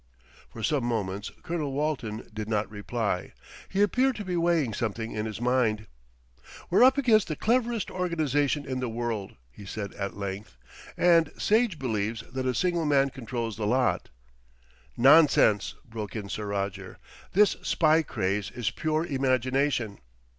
For some moments Colonel Walton did not reply. He appeared to be weighing something in his mind. "We're up against the cleverest organisation in the world," he said at length, "and Sage believes that a single man controls the lot." "Nonsense!" broke in Sir Roger. "This spy craze is pure imagination."